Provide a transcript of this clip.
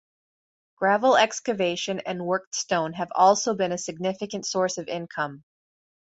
Gravel excavation and worked stone have also been a significant source of income.